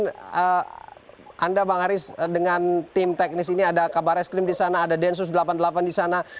kemudian anda bang aris dengan tim teknis ini ada kabar eskrim di sana ada densus delapan puluh delapan di sana